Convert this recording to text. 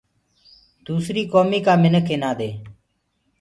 دوسريٚ ڪوميٚ ڪآ منِک اينآ دي